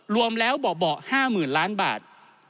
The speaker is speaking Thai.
รวมแล้วเบาะ๕๐๐๐ล้านบาท